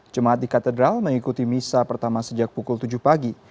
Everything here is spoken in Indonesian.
jemaat di katedral mengikuti misa pertama sejak pukul tujuh pagi